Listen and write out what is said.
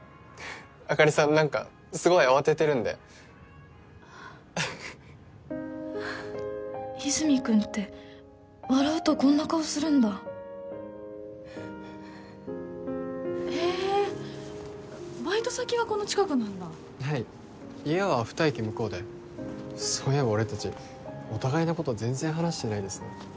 あかりさん何かすごい慌ててるんで和泉君って笑うとこんな顔するんだへえバイト先がこの近くなんだはい家は２駅向こうでそういえば俺達お互いのこと全然話してないですね